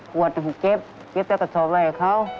หัวตัวของเจฟเจฟแต่ตัดสอบอะไรกับเขา